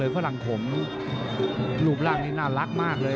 ฝรั่งขมรูปร่างนี้น่ารักมากเลย